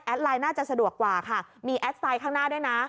ไลน์น่าจะสะดวกกว่าค่ะมีแอดไซด์ข้างหน้าด้วยนะ